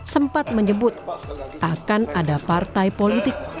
sempat menyebut akan ada partai politik